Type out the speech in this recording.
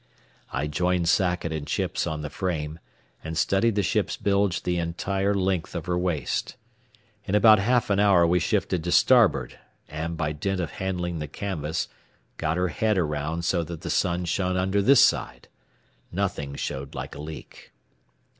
I joined Sackett and Chips on the frame, and studied the ship's bilge the entire length of her waist. In about half an hour we shifted to starboard and, by dint of handling the canvas, got her head around so that the sun shone under this side. Nothing showed like a leak.